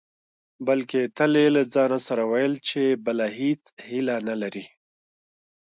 بلکې تل يې له ځانه سره ويل چې بله هېڅ هيله نه لري.